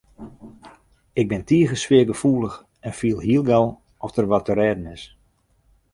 Ik bin tige sfeargefoelich en fiel hiel gau oft der wat te rêden is.